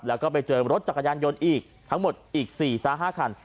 แล้วก็ไปเจอรถจักรยานยนต์อีกทั้งหมดอีก๔๕คัน